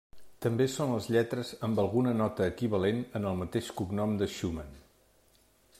També són les lletres amb alguna nota equivalent en el mateix cognom de Schumann.